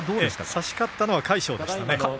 差し勝ったのは魁勝でしたね。